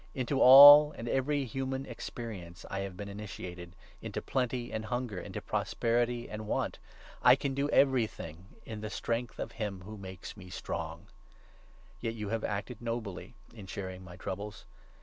Into all and every human experience I have been initiated — into plenty and hunger, into prosperity and want. I can do 13 everything in the strength of him who makes me strong I Yet you have acted nobly in sharing my troubles.